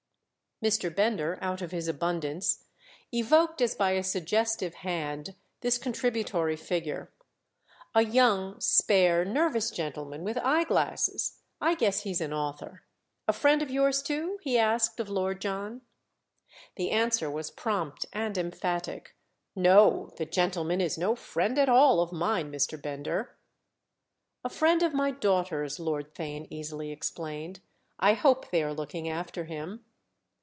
Mr. Bender, out of his abundance, evoked as by a suggestive hand this contributory figure. "A young, spare, nervous gentleman with eye glasses—I guess he's an author. A friend of yours too?" he asked of Lord John. The answer was prompt and emphatic. "No, the gentleman is no friend at all of mine, Mr. Bender." "A friend of my daughter's," Lord Theign easily explained. "I hope they're looking after him."